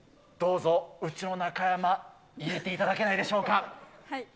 どうぞ、うちの中山、入れていただけないでしょうか？